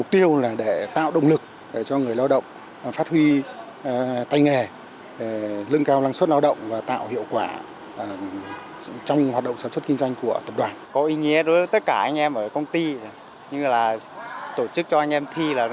như là tổ chức cho anh em thi là nâng cao tay nghề của anh em